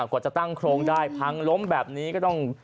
กว่าจะตั้งโครงได้พังล้มแบบนี้ก็ต้อง